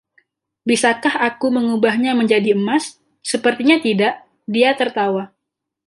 "Bisakah aku mengubahnya menjadi emas?" "Sepertinya tidak," dia tertawa.